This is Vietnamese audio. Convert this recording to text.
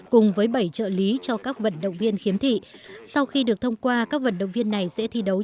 cùng với bảy trợ lý cho các vận động viên khiếm thị sau khi được thông qua các vận động viên này sẽ thi đấu